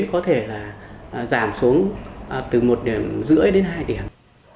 tiến có thể là giảm xuống từ một năm điểm đến hai điểm